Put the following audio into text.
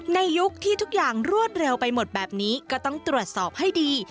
ยุคที่ทุกอย่างรวดเร็วไปหมดแบบนี้ก็ต้องตรวจสอบให้ดี